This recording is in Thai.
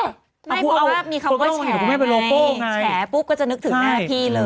เพราะว่ามีคำว่าแฉคุณแม่แฉปุ๊บก็จะนึกถึงหน้าพี่เลย